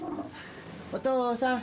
お父さん。